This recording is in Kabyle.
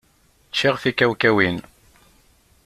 Ččiɣ tikawkawin.